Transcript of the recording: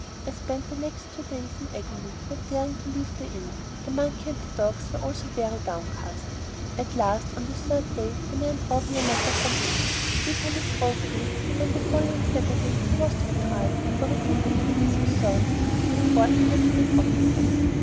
I spent the next two days in agony, not daring to leave the inn. The monkey and the dogs were also very downcast. At last, on the third day, a man brought me a letter from him. Vitalis wrote me that on the following Saturday he was to be tried for resisting police authority, and for attacking an officer.